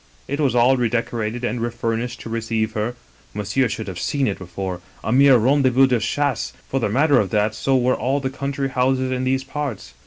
It was all redecorated and refurnished to receive her (monsieur should have seen it before, a mere rendezvous'de chasse — for the matter of that so were all the country houses in these parts).